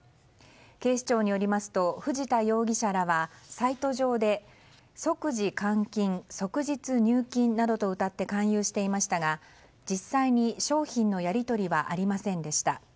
警視庁によりますと藤田容疑者らはサイト上で即時換金、即日入金などとうたって勧誘していましたが実際に商品のやり取りはありませんでした。